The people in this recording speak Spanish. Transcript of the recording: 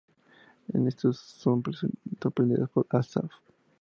En eso son sorprendidas por Asaf.